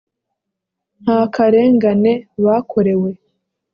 nta karengane bakorewe